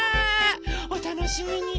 おたのしみに！